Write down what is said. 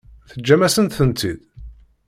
Teǧǧamt-asen-tent-id?